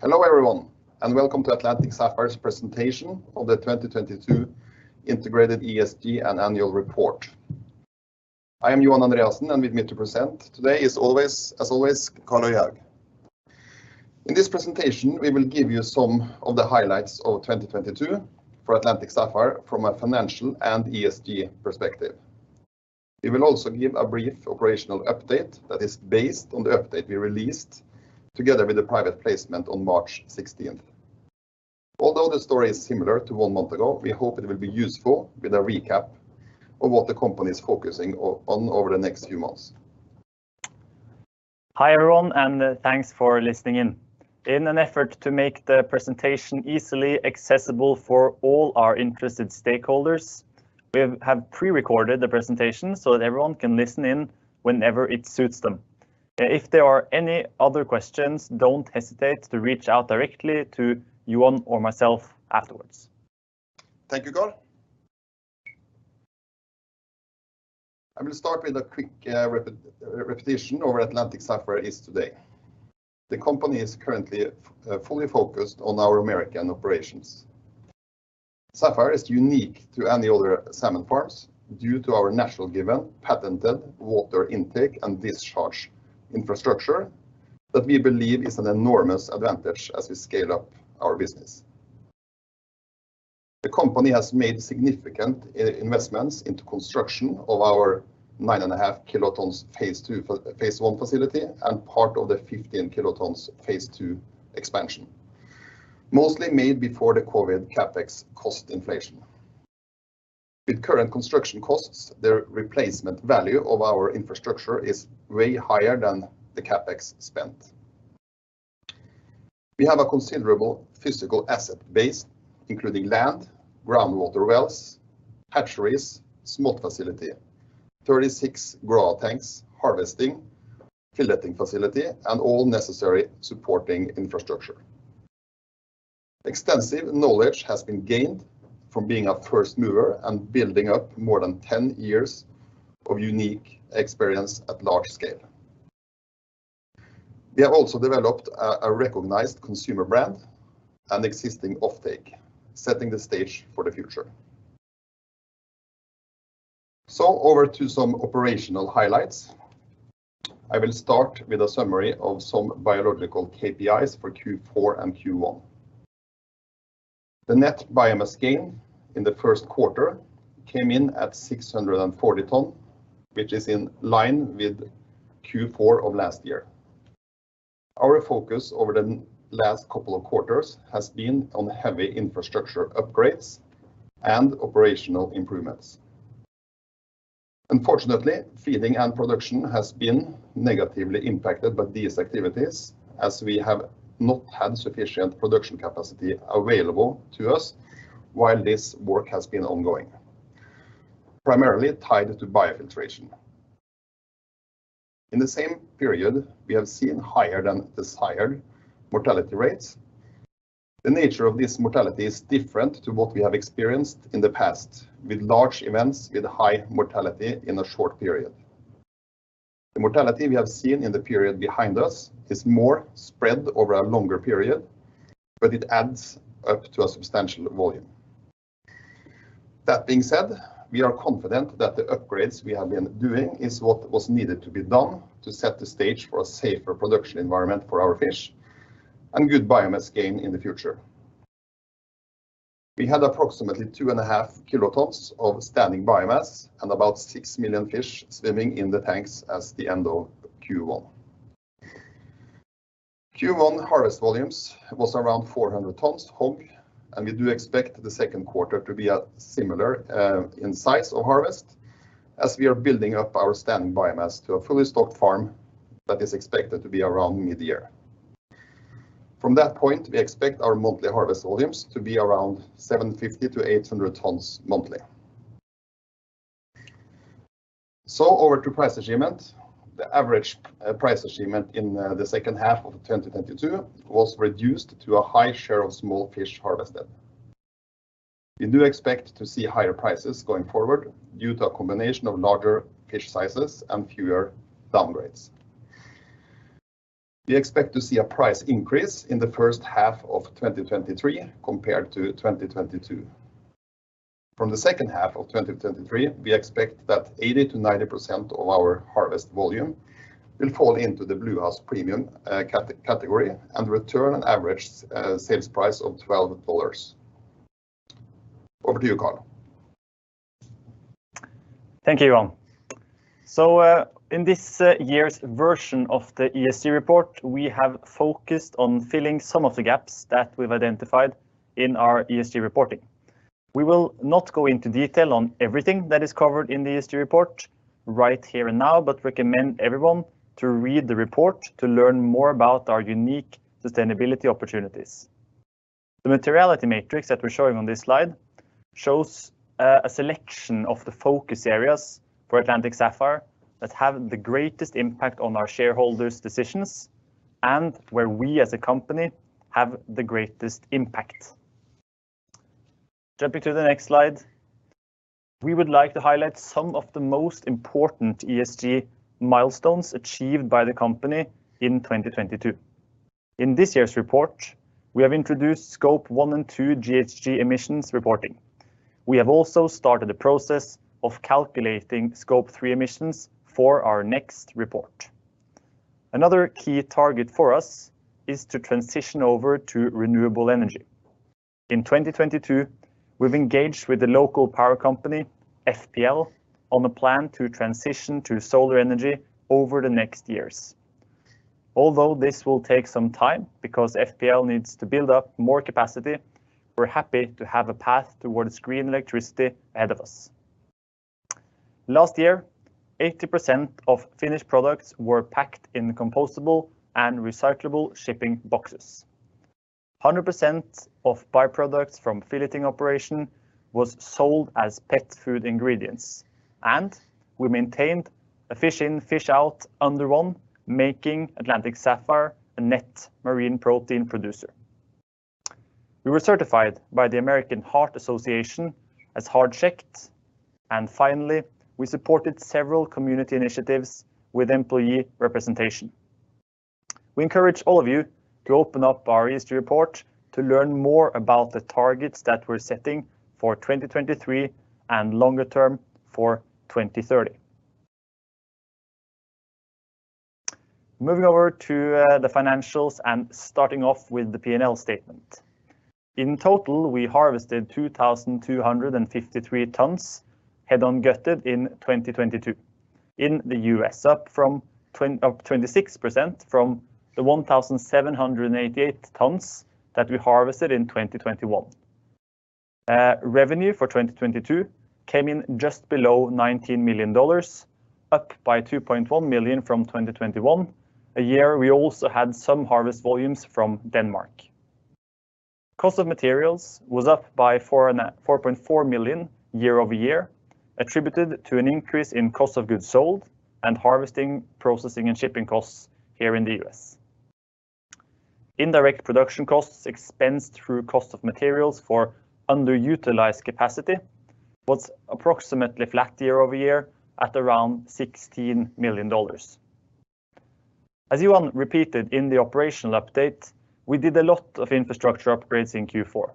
Hello everyone, welcome to Atlantic Sapphire's presentation of the 2022 integrated ESG and annual report. I am Johan Andreassen, and with me to present today as always, Karl Øyehaug. In this presentation, we will give you some of the highlights of 2022 for Atlantic Sapphire from a financial and ESG perspective. We will also give a brief operational update that is based on the update we released together with the private placement on March 16th. Although the story is similar to one month ago, we hope it will be useful with a recap of what the company is focusing on over the next few months. Hi everyone. Thanks for listening in. In an effort to make the presentation easily accessible for all our interested stakeholders, we have pre-recorded the presentation so that everyone can listen in whenever it suits them. If there are any other questions, don't hesitate to reach out directly to Johan or myself afterwards. Thank you, Karl. I'm gonna start with a quick repetition of where Atlantic Sapphire is today. The company is currently fully focused on our American operations. Sapphire is unique to any other salmon farms due to our natural given patented water intake and discharge infrastructure that we believe is an enormous advantage as we scale up our business. The company has made significant investments into construction of our 9.5 kilotons Phase I facility, and part of the 15 kilotons Phase II expansion, mostly made before the COVID CapEx cost inflation. With current construction costs, the replacement value of our infrastructure is way higher than the CapEx spent. We have a considerable physical asset base, including land, groundwater wells, hatcheries, smolt facility, 36 grow-out tanks, harvesting, filleting facility, and all necessary supporting infrastructure. Extensive knowledge has been gained from being a first mover and building up more than 10 years of unique experience at large scale. We have also developed a recognized consumer brand and existing offtake, setting the stage for the future. Over to some operational highlights. I will start with a summary of some biological KPIs for Q4 and Q1. The net biomass gain in the first quarter came in at 640 tons, which is in line with Q4 of last year. Our focus over the last couple of quarters has been on heavy infrastructure upgrades and operational improvements. Unfortunately, feeding and production has been negatively impacted by these activities as we have not had sufficient production capacity available to us while this work has been ongoing, primarily tied to biofiltration. In the same period, we have seen higher than desired mortality rates. The nature of this mortality is different to what we have experienced in the past with large events with high mortality in a short period. The mortality we have seen in the period behind us is more spread over a longer period, but it adds up to a substantial volume. That being said, we are confident that the upgrades we have been doing is what was needed to be done to set the stage for a safer production environment for our fish and good biomass gain in the future. We had approximately 2.5 kilotons of standing biomass and about 6 million fish swimming in the tanks as the end of Q1. Q1 harvest volumes was around 400 tons whole. We do expect the second quarter to be a similar in size of harvest, as we are building up our standing biomass to a fully stocked farm that is expected to be around mid-year. From that point, we expect our monthly harvest volumes to be around 750 tons-800 tons monthly. Over to price achievement. The average price achievement in the second half of 2022 was reduced to a high share of small fish harvested. We do expect to see higher prices going forward due to a combination of larger fish sizes and fewer downgrades. We expect to see a price increase in the first half of 2023 compared to 2022. From the second half of 2023, we expect that 80%-90% of our harvest volume will fall into the Bluehouse premium category and return an average sales price of $12. Over to you, Karl. Thank you, Johan. In this year's version of the ESG report, we have focused on filling some of the gaps that we've identified in our ESG reporting. We will not go into detail on everything that is covered in the ESG report right here and now, recommend everyone to read the report to learn more about our unique sustainability opportunities. The materiality matrix that we're showing on this slide shows a selection of the focus areas for Atlantic Sapphire that have the greatest impact on our shareholders' decisions and where we as a company have the greatest impact. Jumping to the next slide, we would like to highlight some of the most important ESG milestones achieved by the company in 2022. In this year's report, we have introduced Scope 1 and Scope 2 GHG emissions reporting. We have also started the process of calculating Scope 3 emissions for our next report. Another key target for us is to transition over to renewable energy. In 2022, we've engaged with the local power company, FPL, on a plan to transition to solar energy over the next years. Although this will take some time because FPL needs to build up more capacity, we're happy to have a path towards green electricity ahead of us. Last year, 80% of finished products were packed in compostable and recyclable shipping boxes. 100% of byproducts from filleting operation was sold as pet food ingredients, and we maintained a fish in, fish out under one, making Atlantic Sapphire a net marine protein producer. We were certified by the American Heart Association as Heart-Check. Finally, we supported several community initiatives with employee representation. We encourage all of you to open up our ESG report to learn more about the targets that we're setting for 2023 and longer term for 2030. Moving over to the financials and starting off with the P&L statement. In total, we harvested 2,253 tons head-on gutted in 2022 in the U.S., up 26% from the 1,788 tons that we harvested in 2021. Revenue for 2022 came in just below $19 million, up by $2.1 million from 2021, a year we also had some harvest volumes from Denmark. Cost of materials was up by $4.4 million year-over-year, attributed to an increase in cost of goods sold and harvesting, processing, and shipping costs here in the U.S.. Indirect production costs expensed through cost of materials for underutilized capacity was approximately flat year-over-year at around $16 million. As Johan repeated in the operational update, we did a lot of infrastructure upgrades in Q4.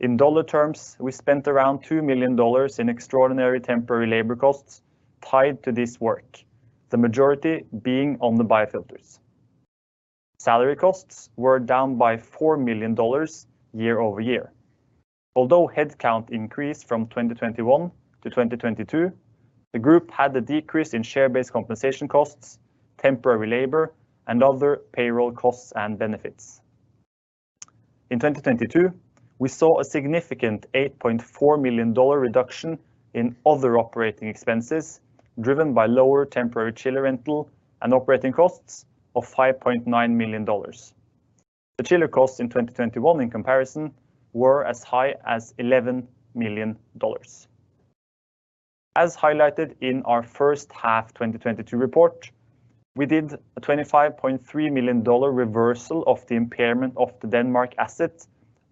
In dollar terms, we spent around $2 million in extraordinary temporary labor costs tied to this work, the majority being on the biofilters. Salary costs were down by $4 million year-over-year. Head count increased from 2021 to 2022, the group had a decrease in share-based compensation costs, temporary labor, and other payroll costs and benefits. In 2022, we saw a significant $8.4 million reduction in other operating expenses, driven by lower temporary chiller rental and operating costs of $5.9 million. The chiller costs in 2021, in comparison, were as high as $11 million. As highlighted in our first half 2022 report, we did a $25.3 million reversal of the impairment of the Denmark asset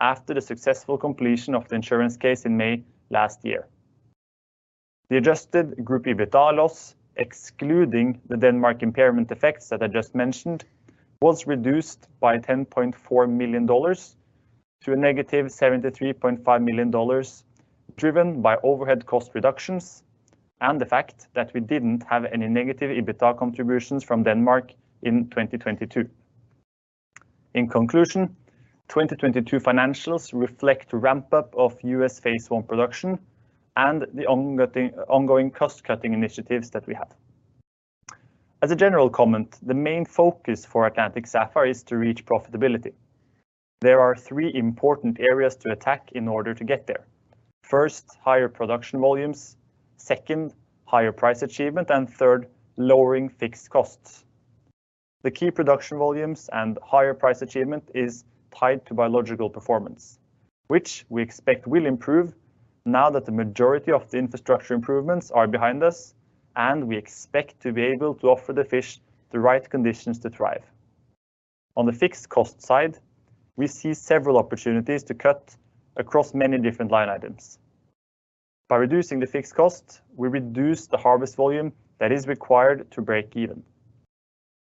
after the successful completion of the insurance case in May last year. The adjusted group EBITDA loss, excluding the Denmark impairment effects that I just mentioned, was reduced by $10.4 million to a negative $73.5 million, driven by overhead cost reductions and the fact that we didn't have any negative EBITDA contributions from Denmark in 2022. In conclusion, 2022 financials reflect ramp up of U.S. Phase I production and the ongoing cost-cutting initiatives that we have. As a general comment, the main focus for Atlantic Sapphire is to reach profitability. There are three important areas to attack in order to get there. First, higher production volumes. Second, higher price achievement, and third, lowering fixed costs. The key production volumes and higher price achievement is tied to biological performance, which we expect will improve now that the majority of the infrastructure improvements are behind us. We expect to be able to offer the fish the right conditions to thrive. On the fixed cost side, we see several opportunities to cut across many different line items. By reducing the fixed cost, we reduce the harvest volume that is required to break even.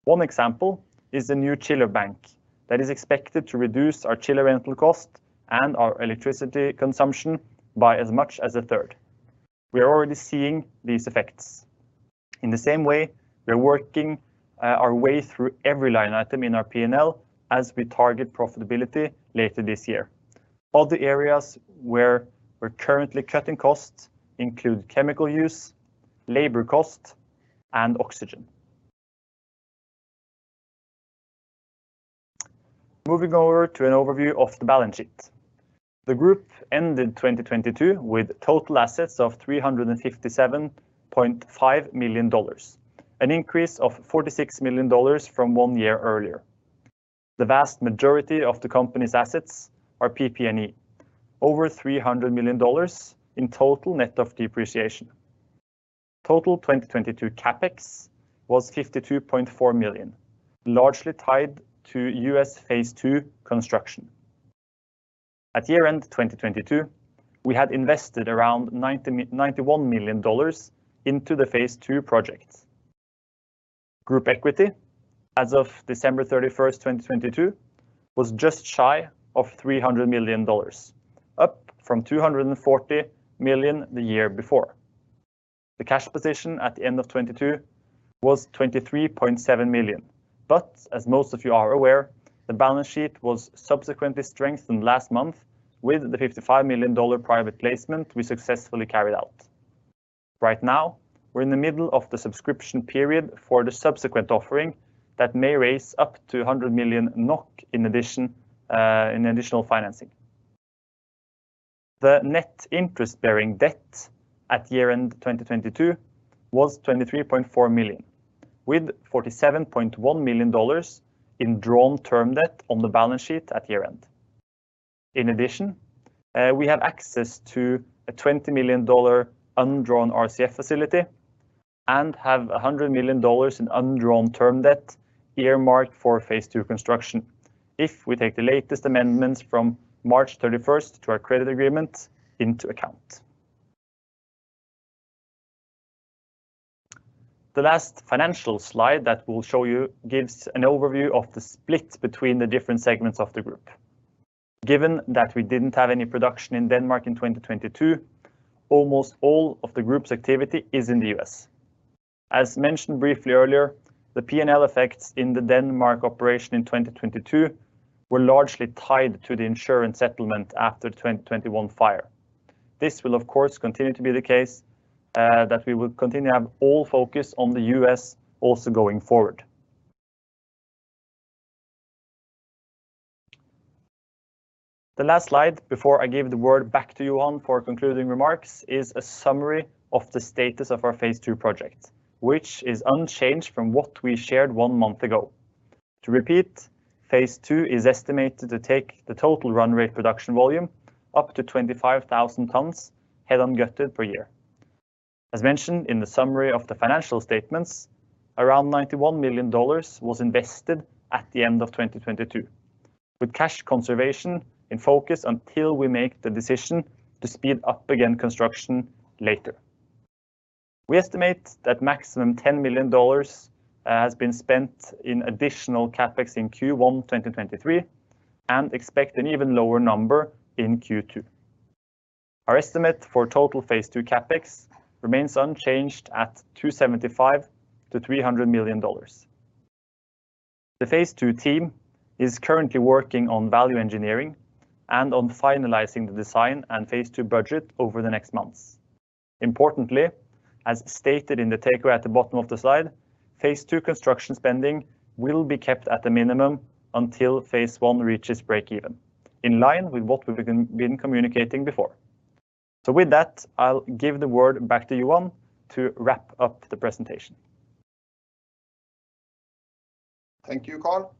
One example is the new chiller bank that is expected to reduce our chiller rental cost and our electricity consumption by as much as a third. We are already seeing these effects. In the same way, we are working our way through every line item in our P&L as we target profitability later this year. Other areas where we're currently cutting costs include chemical use, labor cost, and oxygen. Moving over to an overview of the balance sheet. The group ended 2022 with total assets of $357.5 million, an increase of $46 million from one year earlier. The vast majority of the company's assets are PP&E, over $300 million in total net of depreciation. Total 2022 CapEx was $52.4 million, largely tied to U.S. Phase II construction. At year-end 2022, we had invested around $91 million into the Phase II projects. Group equity as of December 31, 2022, was just shy of $300 million, up from $240 million the year before. The cash position at the end of 2022 was $23.7 million. As most of you are aware, the balance sheet was subsequently strengthened last month with the $55 million private placement we successfully carried out. Right now, we're in the middle of the subscription period for the subsequent offering that may raise up to 100 million NOK in addition, in additional financing. The net interest-bearing debt at year-end 2022 was $23.4 million, with $47.1 million in drawn term debt on the balance sheet at year-end. In addition, we have access to a $20 million undrawn RCF facility and have $100 million in undrawn term debt earmarked for Phase II construction if we take the latest amendments from March 31st to our credit agreement into account. The last financial slide that we'll show you gives an overview of the split between the different segments of the group. Given that we didn't have any production in Denmark in 2022, almost all of the group's activity is in the U.S. As mentioned briefly earlier, the P&L effects in the Denmark operation in 2022 were largely tied to the insurance settlement after 2021 fire. This will, of course, continue to be the case, that we will continue to have all focus on the U.S. also going forward. The last slide before I give the word back to Johan for concluding remarks is a summary of the status of our Phase II project, which is unchanged from what we shared one month ago. To repeat, Phase II is estimated to take the total run rate production volume up to 25,000 tons head-on gutted per year. As mentioned in the summary of the financial statements, around $91 million was invested at the end of 2022, with cash conservation in focus until we make the decision to speed up again construction later. We estimate that maximum $10 million has been spent in additional CapEx in Q1 2023 and expect an even lower number in Q2. Our estimate for total Phase II CapEx remains unchanged at $275 million-$300 million. The Phase II team is currently working on value engineering and on finalizing the design and Phase II budget over the next months. Importantly, as stated in the takeaway at the bottom of the slide, Phase II construction spending will be kept at a minimum until Phase I reaches breakeven, in line with what we've been communicating before. With that, I'll give the word back to Johan to wrap up the presentation. Thank you, Karl.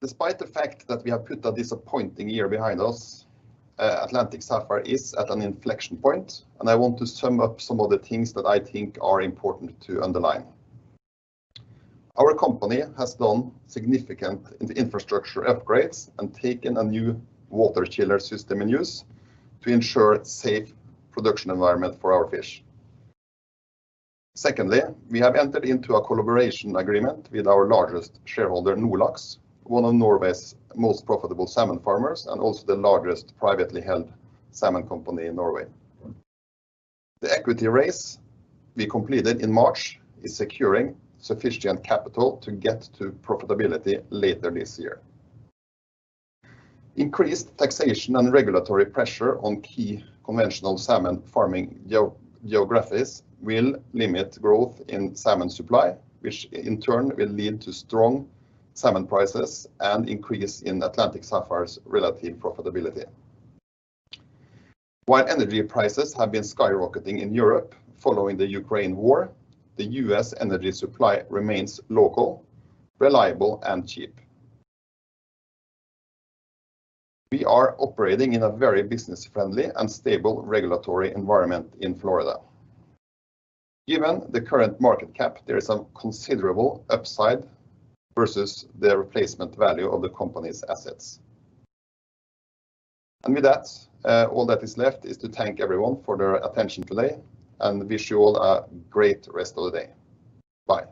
Despite the fact that we have put a disappointing year behind us, Atlantic Sapphire is at an inflection point, and I want to sum up some of the things that I think are important to underline. Our company has done significant infrastructure upgrades and taken a new water chiller system in use to ensure a safe production environment for our fish. Secondly, we have entered into a collaboration agreement with our largest shareholder, Nordlaks, one of Norway's most profitable salmon farmers and also the largest privately held salmon company in Norway. The equity raise we completed in March is securing sufficient capital to get to profitability later this year. Increased taxation and regulatory pressure on key conventional salmon farming geographies will limit growth in salmon supply, which in turn will lead to strong salmon prices and increase in Atlantic Sapphire's relative profitability. While energy prices have been skyrocketing in Europe following the Ukraine war, the U.S. energy supply remains local, reliable and cheap. We are operating in a very business-friendly and stable regulatory environment in Florida. Given the current market cap, there is some considerable upside versus the replacement value of the company's assets. With that, all that is left is to thank everyone for their attention today and wish you all a great rest of the day. Bye.